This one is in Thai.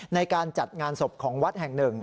ในการจัดงานศพของวัดแห่งหนึ่ง